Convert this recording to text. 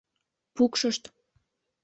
Пукшышт.